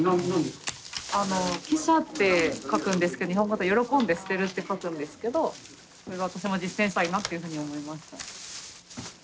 「喜捨」って書くんですけど日本語で「喜んで捨てる」って書くんですけど私も実践したいなっていうふうに思いました。